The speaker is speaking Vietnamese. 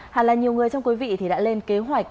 hay là nhiều người trong quý vị thì đã lên kế hoạch